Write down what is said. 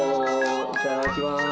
いただきます。